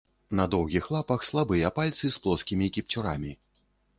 На доўгіх лапах слабыя пальцы з плоскімі кіпцюрамі.